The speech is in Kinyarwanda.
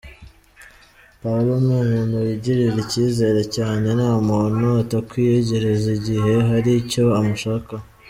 Paola ni umuntu wigirira icyizere cyane, nta muntu atakwiyegereza igihe hari icyo amushakaho.